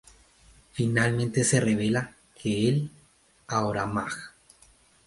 Finalmente se revela que el ahora Maj.